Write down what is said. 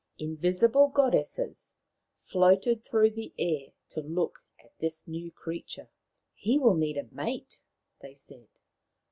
Invisible goddesses floated through the air to look at this new creature. " He will need a mate," they said.